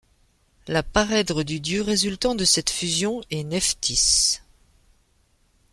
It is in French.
La parèdre du dieu résultant de cette fusion est Nephtys.